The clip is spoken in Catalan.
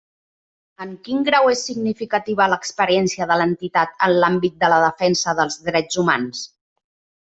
En quin grau és significativa l'experiència de l'entitat en l'àmbit de la defensa dels drets humans?